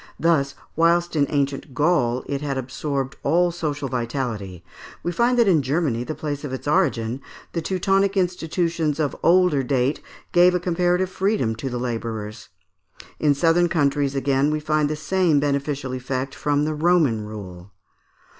Thus, whilst in ancient Gaul it had absorbed all social vitality, we find that in Germany, the place of its origin, the Teutonic institutions of older date gave a comparative freedom to the labourers. In southern countries again we find the same beneficial effect from the Roman rule.